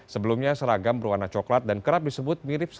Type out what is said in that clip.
sebelumnya seragam berwarna coklat dan kerap disebut mirip